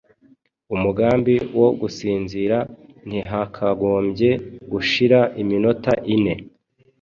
umugambi wo gusinzira ntihakagombye gushira iminota ine